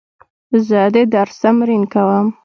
زه د درس تمرین کوم.